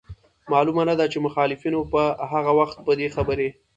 معلومه نه ده چي مخالفينو به هغه وخت په دې خبري